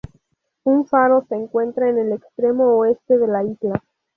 Un faro se encuentra en el extremo oeste de la isla.